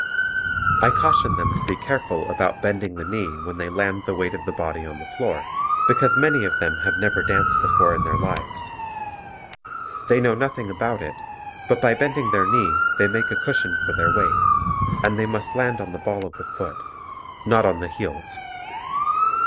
I caution them to be careful about bending the knee when they land the weight of the body on the floor, because many of them have never danced before in their lives. They know nothing about it, but by bending their knee they make a cushion for their weight, and they must land on the ball of the foot, not on the heels.